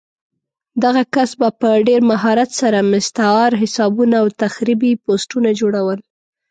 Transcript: دغه کس به په ډېر مهارت سره مستعار حسابونه او تخریبي پوسټونه جوړول